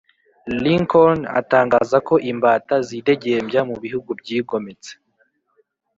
lincoln atangaza ko imbata zidegembya mu bihugu byigometse